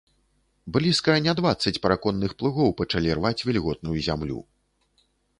Блізка не дваццаць параконных плугоў пачалі рваць вільготную зямлю.